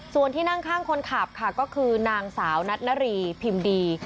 ส่วนที่นั่งข้างคนขับค่ะก็คือนางสาวนัทนารีพิมพ์ดี